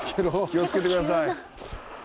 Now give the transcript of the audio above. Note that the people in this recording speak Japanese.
気をつけてください。